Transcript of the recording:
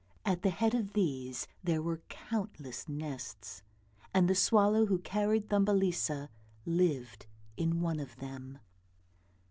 At the head of these there were countless nests, and the swallow who carried Thumbelisa lived in one of them.